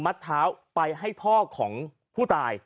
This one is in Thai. เท้าไปให้พ่อของผู้ตาย